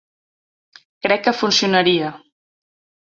Crec que funcionaria.